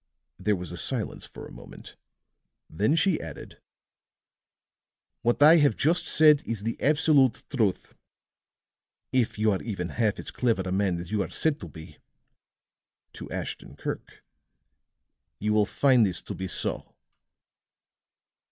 There was a silence for a moment, then she added, "What I have just said is the absolute truth. If you are even half as clever a man as you are said to be," to Ashton Kirk, "you will find this to be so."